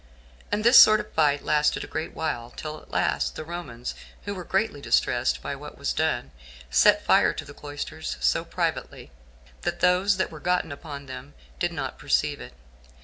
And this sort of fight lasted a great while, till at last the Romans, who were greatly distressed by what was done, set fire to the cloisters so privately, that those that were gotten upon them did not perceive it.